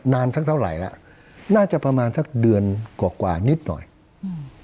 สักเท่าไหร่แล้วน่าจะประมาณสักเดือนกว่ากว่านิดหน่อยอืม